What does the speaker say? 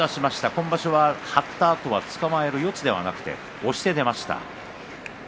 今場所は張ったあとつかまえる四つではなくて押して出ました。